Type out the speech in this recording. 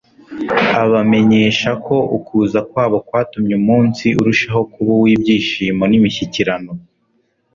abamenyesha ko ukuza kwabo kwatumye umunsi urushaho kuba uw'ibyishimo n'imishyikirano